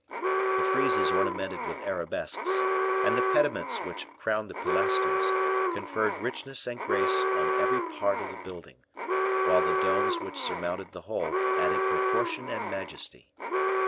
The friezes ornamented with arabesques, and the pediments which crowned the pilasters, conferred richness and grace on every part of the building, while the domes which surmounted the whole added proportion and majesty.